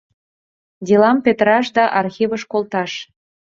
Делам петыраш да архивыш колташ.